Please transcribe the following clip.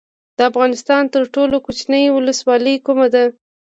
د افغانستان تر ټولو کوچنۍ ولسوالۍ کومه ده؟